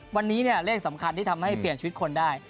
วันนี้เลขสำคัญที่ทำให้เปลี่ยนชีวิตคนได้